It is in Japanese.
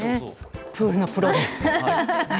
プールのプロです。